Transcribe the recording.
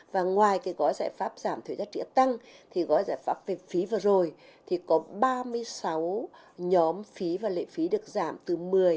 và ngoài cái gói giải pháp giảm thuế giá trị tăng thì gói giải pháp về phí vừa rồi thì có ba mươi sáu nhóm phí và lợi phí được giảm từ một mươi đến năm mươi đồng